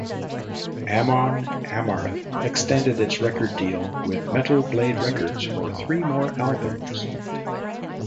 Amon Amarth extended its record deal with Metal Blade Records for three more albums.